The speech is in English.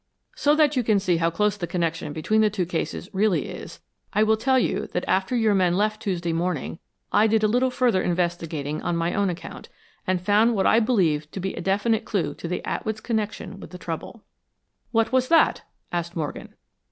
"So that you can see how close the connection between the two cases really is, I will tell you that after your men left Tuesday morning, I did a little further investigating on my own account, and found what I believed to be a definite clue to the Atwoods' connection with the trouble." "What was that?" asked Morgan.